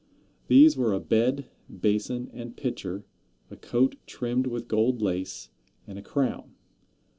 These were a bed, basin and pitcher, a coat trimmed with gold lace, and a crown.